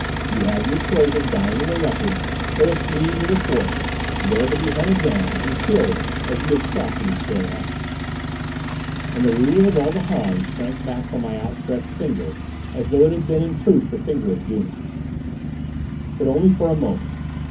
You have your choice of dying in the wreckage, or of fleeing to the forests, there to be hunted down and killed as you have sought to destroy us!" And the ruler of all the Hans shrank back from my outstretched finger as though it had been in truth the finger of doom. But only for a moment.